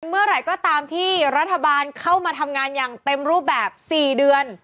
เมื่อไหร่ก็ตามที่รัฐบาลเข้ามาทำงานอย่างเต็มรูปแบบ๔เดือน